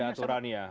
ada aturan ya